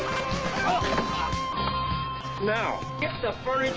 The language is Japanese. あっ。